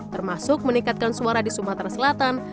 termasuk meningkatkan suara di sumatera selatan